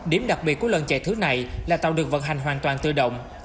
điểm đặc biệt của lần chạy thử này là tàu được vận hành hoàn toàn tự động